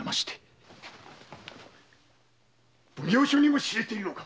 奉行所にも知れているのか！